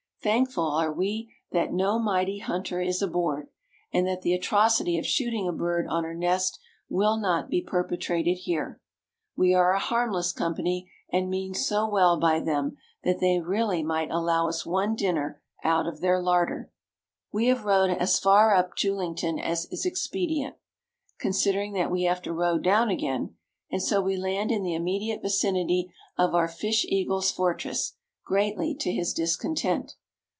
Thankful are we that no mighty hunter is aboard, and that the atrocity of shooting a bird on her nest will not be perpetrated here. We are a harmless company, and mean so well by them, that they really might allow us one dinner out of their larder. We have rowed as far up Julington as is expedient, considering that we have to row down again; and so we land in the immediate vicinity of our fish eagle's fortress, greatly to his discontent.